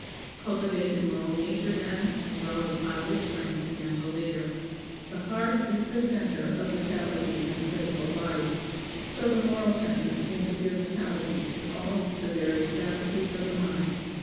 Cultivate your moral nature, then, as well as bodily strength and mental vigor. The heart is the center of vitality in the physical body; so the moral senses seem to give vitality to all the various faculties of the mind.